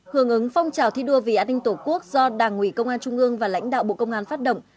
hưởng ứng phong trào thi đua vì an ninh tổ quốc do đảng ủy công an trung ương và lãnh đạo bộ công an phát động